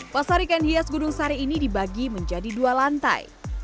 pasar ikan hias gunung sari ini dibagi menjadi dua lantai